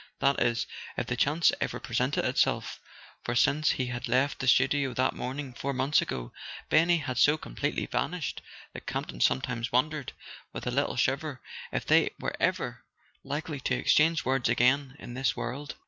That is, if the chance ever pre¬ sented itself; for, since he had left the studio that morn¬ ing four months ago, Benny had so completely vanished that Campton sometimes wondered, with a little shiver, if they were ever likely to exchange words again in this world.